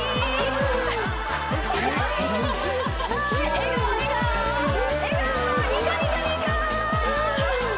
笑顔笑顔笑顔ニコニコニコ！